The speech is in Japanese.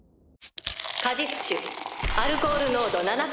果実酒アルコール濃度７％。